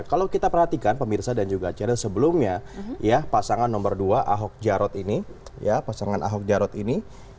kalau kita perhatikan pemirsa dan juga ceril sebelumnya ya pasangan nomor dua ahok jarot ini ya pasangan ahok jarot ini